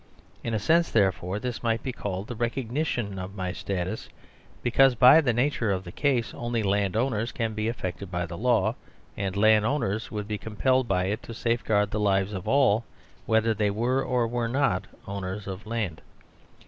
In a sense, therefore, this might be called the recognition of my Status, because, by the nature of the case, only landowners can be affected by the law, and land owners would be compelled by it to safeguard the lives of all, whether they were or were not owners of land.